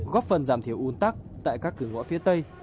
góp phần giảm thiểu un tắc tại các cửa ngõ phía tây